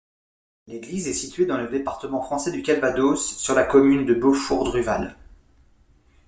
L'église est située dans le département français du Calvados, sur la commune de Beaufour-Druval.